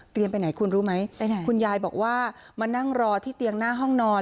ไปไหนคุณรู้ไหมไปไหนคุณยายบอกว่ามานั่งรอที่เตียงหน้าห้องนอน